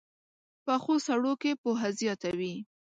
پخو سړو کې پوهه زیاته وي